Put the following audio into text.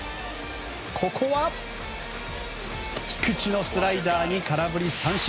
ここは菊池のスライダーに空振り三振。